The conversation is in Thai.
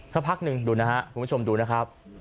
สักพักหนึ่งดูนะครับคุณผู้ชมดูนะครับ